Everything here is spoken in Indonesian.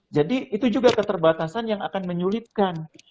jadi itu juga keterbatasan yang akan menyulitkan